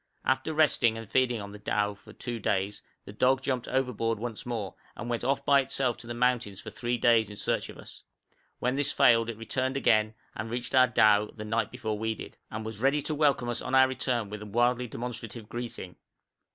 After resting and feeding on the dhow for two days, the dog jumped overboard once more, and went off by itself to the mountains for three days in search of us; when this failed it returned again, and reached our dhow the night before we did, and was ready to welcome us on our return with a wildly demonstrative greeting.